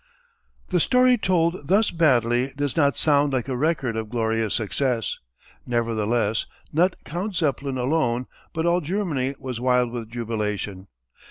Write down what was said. The story told thus baldly does not sound like a record of glorious success. Nevertheless not Count Zeppelin alone but all Germany was wild with jubilation.